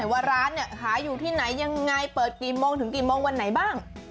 ว่าร้านเนี่ยขายอยู่ที่ไหนยังไงเปิดกี่โมงถึงกี่โมงวันไหนบ้าง